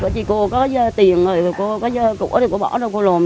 chị cô có tiền rồi cô có dơ của thì cô bỏ ra cô lồn